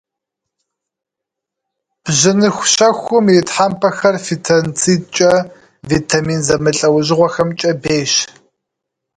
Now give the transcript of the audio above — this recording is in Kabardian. Бжьыныхущэхум и тхьэмпэхэр фитонцидкӏэ, витамин зэмылӏэужьыгъуэхэмкӏэ бейщ.